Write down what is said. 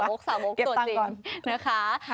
สาวมกสาวมกตัวจริงนะคะเก็บตังค์ก่อน